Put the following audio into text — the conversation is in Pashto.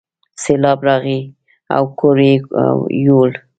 سیلاب راغی او کور یې یووړ.